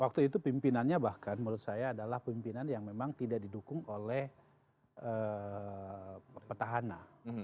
waktu itu pimpinannya bahkan menurut saya adalah pimpinan yang memang tidak didukung oleh petahana